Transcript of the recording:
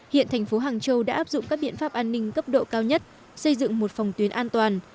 hiện thành phố hàng châu đã áp dụng các biện pháp an ninh cấp độ cao nhất xây dựng một phòng tuyến an toàn